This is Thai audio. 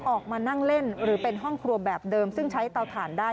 ออกมานั่งเล่นหรือเป็นห้องครัวแบบเดิมซึ่งใช้เตาถ่านได้